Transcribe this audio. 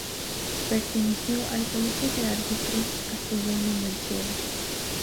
Perteneció al Colegio de Árbitros Castellano-Manchego.